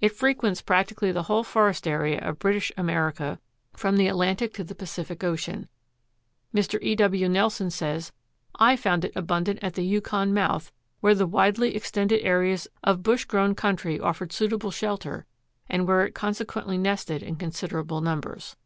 It frequents practically the whole forest area of British America from the Atlantic to the Pacific ocean. Mr. E. W. Nelson says: "I found it abundant at the Yukon mouth, where the widely extended areas of bush grown country offered suitable shelter and where it consequently nested in considerable numbers."